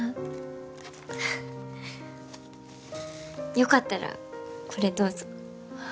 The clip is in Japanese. よかったらこれどうぞ